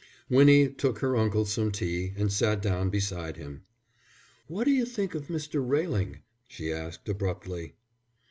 Winnie took her uncle some tea and sat down beside him. "What d'you think of Mr. Railing?" she asked, abruptly.